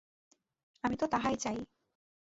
আমি তো তাহাই চাই।